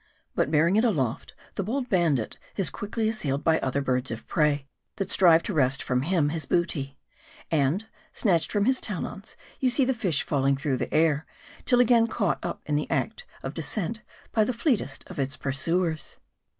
But bearing it aloft, the bold bandit is quickly assailed by other birds of prey, that strive to wrest from him his booty. And snatch ed from his talons, you see the fish falling through the air, till again caught up in the very act of descent, by the fleet est of its pursuers.